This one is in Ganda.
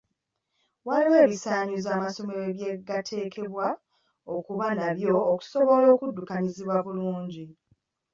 Waliwo ebisaanyizo amasomero bye gateekwa okuba nabyo okusobola okuddukanyizibwa obulungi.